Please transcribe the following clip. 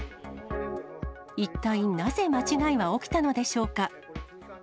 一体なぜ、間違いは起きたのでしょうか。